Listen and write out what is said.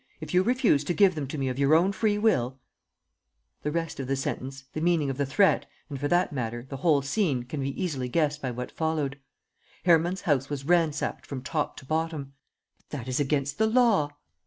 If you refuse to give them to me of your own free will ...' The rest of the sentence, the meaning of the threat and, for that matter, the whole scene can be easily guessed by what followed; Hermann's house was ransacked from top to bottom." "But that is against the law."